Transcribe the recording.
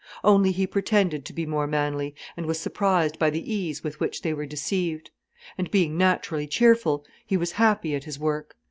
Only he pretended to be more manly, and was surprised by the ease with which they were deceived. And, being naturally cheerful, he was happy at his work.